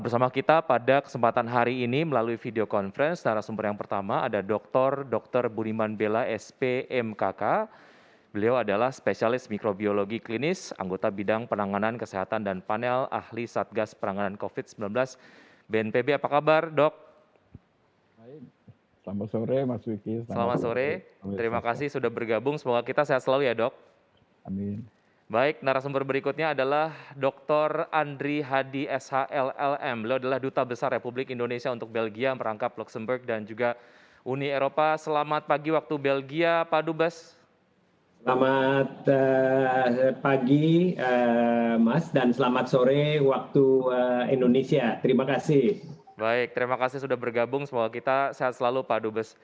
baik terima kasih sudah bergabung semoga kita sehat selalu pak dubes